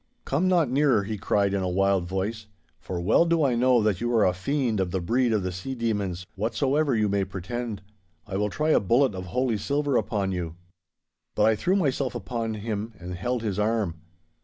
'Come not nearer,' he cried in a wild voice, 'for well do I know that you are a fiend of the breed of the sea demons, whatsoever you may pretend. I will try a bullet of holy silver upon you.' But I threw myself upon him and held his arm.